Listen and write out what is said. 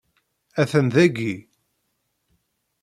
Atan dagi!